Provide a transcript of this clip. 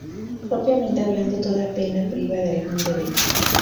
Propiamente hablando toda pena priva de algún derecho.